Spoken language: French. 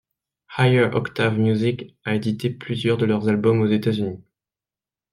Higher Octave Music a édité plusieurs de leurs albums aux États-Unis.